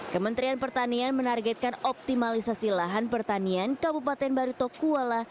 kementerian pertanian menargetkan optimalisasi lahan pertanian kabupaten baru tokuala